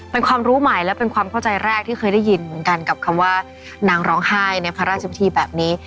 เป็นความรู้ใหม่และเป็นความเข้าใจแรกที่เคยได้ยินเหมือนกันกับคำว่านางร้องไห้ในพระราชพิธีแบบนี้